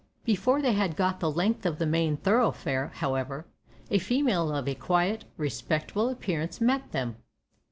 Before they had got the length of the main thoroughfare, however, a female of a quiet, respectable appearance met them.